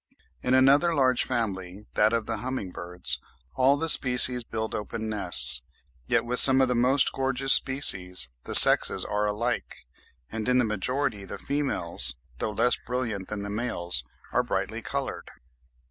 In another large family, that of the humming birds, all the species build open nests, yet with some of the most gorgeous species the sexes are alike; and in the majority, the females, though less brilliant than the males, are brightly coloured.